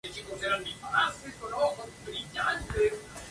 Tiene las flores de color azul oscuro casi negro.